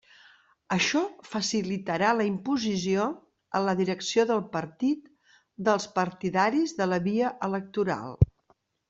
Això facilitarà la imposició a la direcció del partit dels partidaris de la via electoral.